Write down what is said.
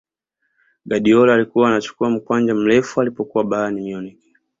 guardiola alikuwa anachukua mkwanja mrefu alipokuwa bayern munich